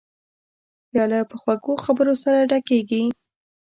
پیاله په خوږو خبرو سره ډکېږي.